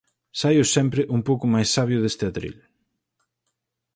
Saio sempre un pouco máis sabio deste atril.